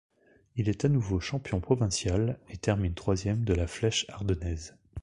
Il est à nouveau champion provincial, et termine troisième de la Flèche ardennaise.